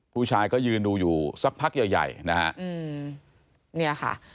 ผู้ชายก็ยืนดูอยู่สักพักใหญ่นะคะ